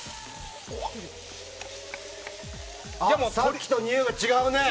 さっきと、においが違うね。